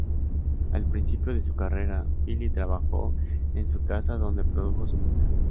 Al principio de su carrera Vile trabajó en su casa donde produjo su música.